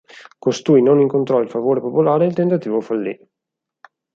Costui non incontrò il favore popolare e il tentativo fallì.